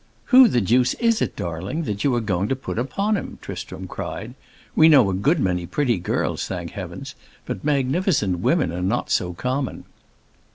"Who the deuce is it, darling, that you are going to put upon him?" Tristram cried. "We know a good many pretty girls, thank Heaven, but magnificent women are not so common."